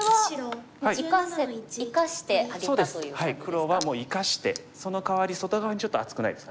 黒はもう生かしてそのかわり外側にちょっと厚くないですかね。